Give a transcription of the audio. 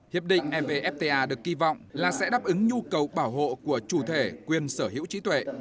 hiệp định evfta được kỳ vọng là sẽ đáp ứng nhu cầu bảo hộ của chủ thể quyền sở hữu trí tuệ